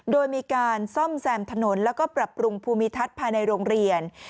โดยมีการซ่อมแซมถนนแล้วก็ปรับปรุงภูมิทัศน์ภายในโรงเรียน